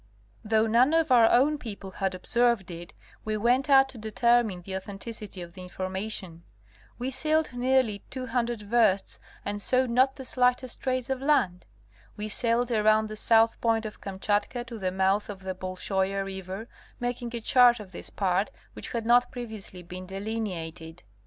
Though none of our own people had observed it, we went out to determine the authenticity of the information. We sailed nearly 200 versts and saw not the slightest trace of land. We sailed around the south point of Kamchatka to the mouth of the Bol shoia river, making a chart of this part which had not previously been delineated.